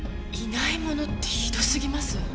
「いないもの」ってひどすぎます。